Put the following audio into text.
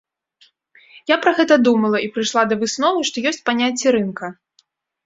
Я пра гэта думала, і прыйшла да высновы, што ёсць паняцце рынка.